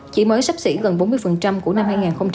chỉ mới sắp xỉ gần bốn mươi của năm hai nghìn một mươi chín